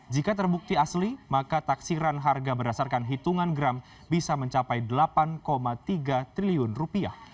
jika terbukti asli maka taksiran harga berdasarkan hitungan gram bisa mencapai delapan tiga triliun rupiah